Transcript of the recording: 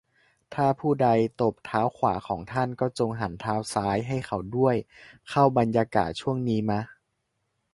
ถ้าผู้ใดตบเท้าขวาของท่าน ก็จงหันเท้าซ้ายให้เขาด้วย เข้าบรรยากาศช่วงนี้มะ ?